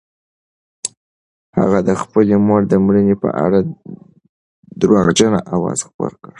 هغه د خپلې مور د مړینې په اړه درواغجنه اوازه خپره کړه.